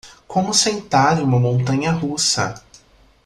Como sentar em uma montanha russa